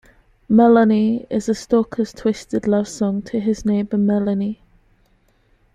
"Melanie" is a stalker's twisted love song to his neighbor Melanie.